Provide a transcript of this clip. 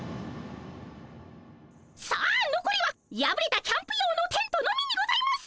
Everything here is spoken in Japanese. さあのこりはやぶれたキャンプ用のテントのみにございます。